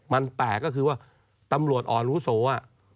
มันแปลกก็คือว่าตำรวจอ่อนวุโส